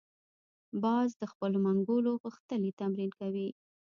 باز د خپلو منګولو غښتلي تمرین کوي